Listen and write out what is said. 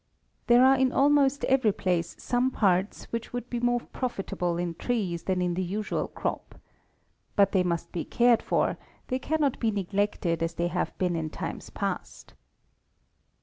There are in almost every place some parts which would be more profitable in trees than in the usual crop. But they must be cared for, they can not be neglected as they have been in times past.